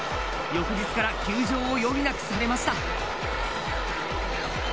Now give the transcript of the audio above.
翌日から休場を余儀なくされました。